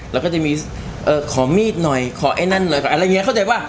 แล้วก็จะมีขอมีดหน่อยขอไอ้นั่นหน่อยอะไรอย่างนี้เข้าใจว่า